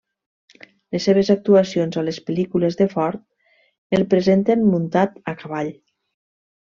Les seves actuacions a les pel·lícules de Ford el presenten muntat a cavall.